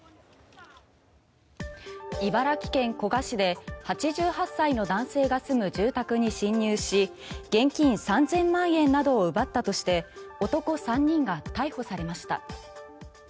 茨城県古河市で８８歳の男性が住む住宅に侵入し現金３０００万円などを奪ったとして男３人が逮捕されました。